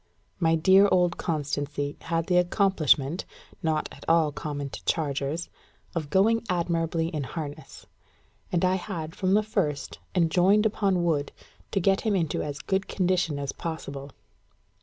My dear old Constancy had the accomplishment, not at all common to chargers, of going admirably in harness; and I had from the first enjoined upon Wood to get him into as good condition as possible.